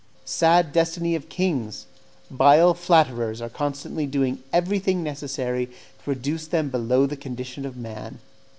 Sad destiny of kings! Vile flatterers are constantly doing everything necessary to reduce them below the condition of man.